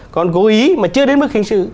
còn cố ý mà chưa đến mức hình sự